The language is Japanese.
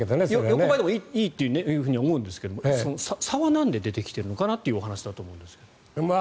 横ばいでもいいと思うんですけど差はなんで出てきているのかなってお話だと思うんですが。